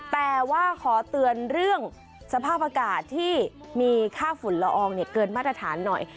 แต่ว่าขอเตือนเรื่องสภาพอากาศที่มีค่าฝุ่นละอองเกินมาตรฐานหน่อย